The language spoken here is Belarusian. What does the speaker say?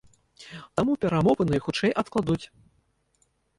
Таму перамовы найхутчэй адкладуць.